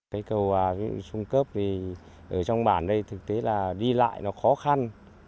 cây cầu trung cấp thì ở trong bản đây thực tế là đi lại nó khó khăn